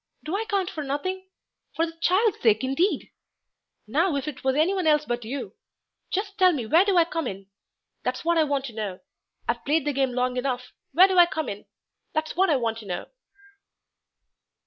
Do I count for nothing? For the child's sake, indeed! Now, if it was anyone else but you. Just tell me where do I come in? That's what I want to know. I've played the game long enough. Where do I come in? That's what I want to know."